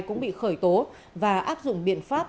cũng bị khởi tố và áp dụng biện pháp